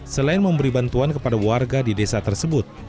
selain memberi bantuan kepada warga di desa tersebut